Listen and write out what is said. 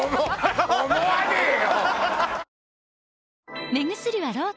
思わねえよ！